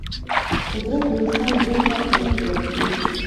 قدرت د انسان ژوند ته ترتیب ورکوي.